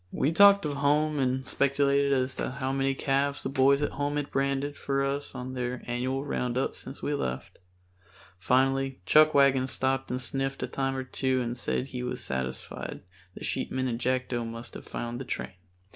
We talked of home and speculated as to how many calves the boys at home had branded for us on their annual roundups since we left. Finally Chuckwagon stopped and sniffed a time or two and said he was satisfied the sheepmen and Jackdo must have found the train.